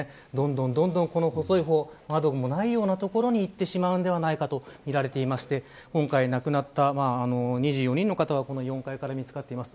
どんどん細い方、窓もなような所に行ってしまうのではないかとみられていて今回、亡くなった２４人の方は４階から見つかっています。